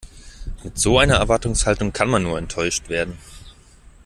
Mit so einer Erwartungshaltung kann man nur enttäuscht werden.